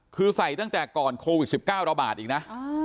คือใส่ตั้งแต่ก่อนโควิด๑๙ระบาดอีกนะ